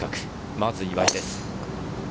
まず岩井です。